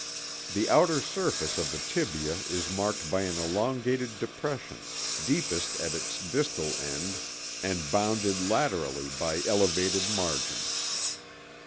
(See figs. 3, 4.) The outer surface of the tibia is marked by an elongated depression, deepest at its distal end, and bounded laterally by elevated margins.